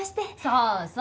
そうそう。